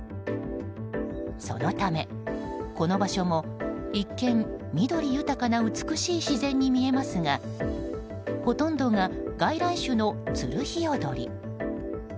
そのため、この場所も一見緑豊かな美しい自然に見えますがほとんどが外来種のツルヒヨドリ。